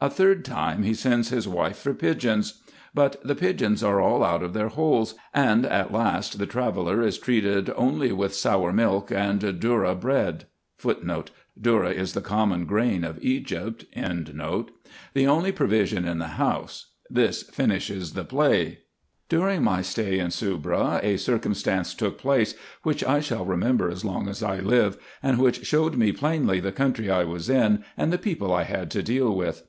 A third time, he sends his wife for pigeons ; but the pigeons are all d2 20 RESEARCHES AND OPERATIONS out of their holes ; and at last the traveller is treated only with sour milk and dhourra bread*, the only provision in the house. Tliis finishes the play. During my stay in Soubra, a circumstance took place, which I shall remember as long as I live, and which showed me plainly the country I was in, and the people I had to deal with.